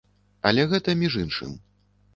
Але гэта між іншым.